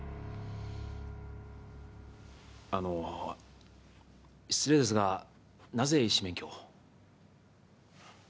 あの失礼ですがなぜ医師免許を？